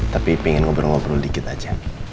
tapi pengen ngobrol ngobrol dikit aja